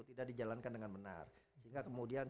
tidak dijalankan dengan benar sehingga kemudian